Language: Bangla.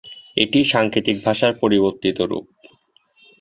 এটি সাংকেতিক ভাষার পরিবর্তিত রূপ।